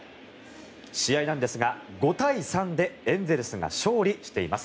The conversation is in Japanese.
試合なんですが、５対３でエンゼルスが勝利しています。